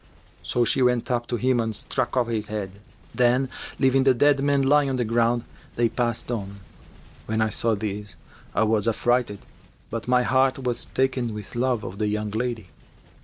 So she went up to him and struck off his head; then, leaving the dead man lying on the ground, they passed on. When I saw this, I was affrighted; but my heart was taken with love of the young lady.